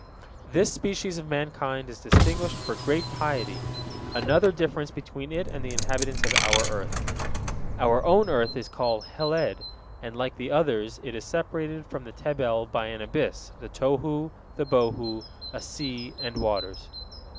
This species of mankind is distinguished for great piety, another difference between it and the inhabitants of our earth. Our own earth is called Heled, and, like the others, it is separated from the Tebel by an abyss, the Tohu, the Bohu, a sea, and waters.